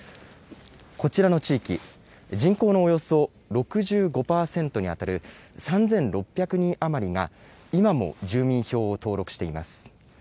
こちらの地域、人口のおよそ６５％に当たる３６００人余りが、今も住民票を登録しています。